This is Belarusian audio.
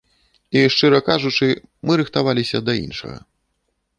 І шчыра кажучы, мы рыхтаваліся да іншага.